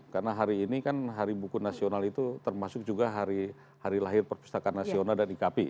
karena hari ini kan hari buku nasional itu termasuk juga hari lahir perpustakaan nasional dan ikp